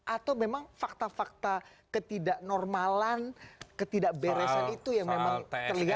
atau memang fakta fakta ketidak normalan ketidakberesan itu yang memang terlihat